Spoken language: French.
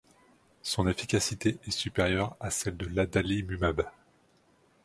Son efficacité est supérieure à celle de l'adalimumab.